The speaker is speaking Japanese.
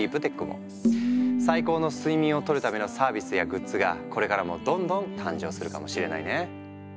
最高の睡眠をとるためのサービスやグッズがこれからもどんどん誕生するかもしれないね。